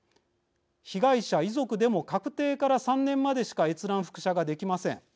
被害者、遺族でも確定から３年までしか閲覧、複写ができません。